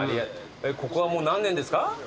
ここは何年ですか？